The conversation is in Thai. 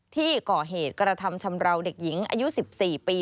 ที่ก่อเหตุกระทำชำราวเด็กหญิงอายุ๑๔ปี